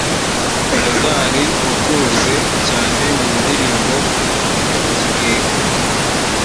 Jaguar wakunzwe cyane mu ndirimbo ‘Kigeugeu’